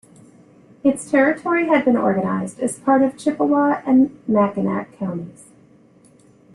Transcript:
Its territory had been organized as part of Chippewa and Mackinac counties.